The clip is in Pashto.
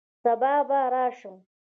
سبا به راشم